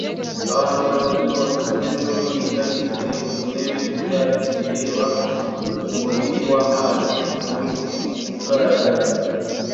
Abantu batatu bakuze n'uruhinja bicaye ku ntebe y'icyatsi ireba umubiri w'amazi ku munsi ugaragara